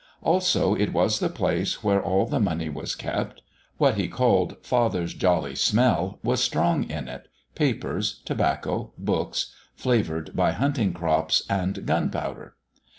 Also, it was the place where all the money was kept. What he called "father's jolly smell" was strong in it papers, tobacco, books, flavoured by hunting crops and gunpowder.